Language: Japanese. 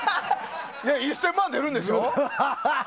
いや、１０００万出るんでしょ？